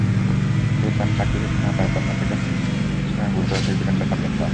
Xherdan শাকিরির বাঁ পায়ের corner থেকে গোল করেন সুইস ডিফেন্ডার ফাবিয়ান শার।